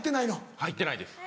入ってないです。